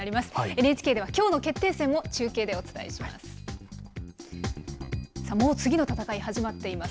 ＮＨＫではきょうの決定戦も中継でお伝えします。